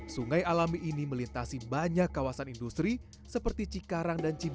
sungai alami ini melintasi banyak kawasan industri seperti cikarang dan cibino